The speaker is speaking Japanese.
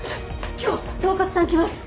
今日統括さん来ます？